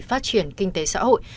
phát triển kinh tế xã hội